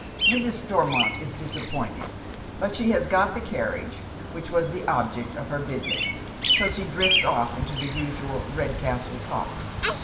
Mrs. Stormont is disappointed, but she has got the carriage, which was the object of her visit, so she drifts off into the usual Kedcastle talk.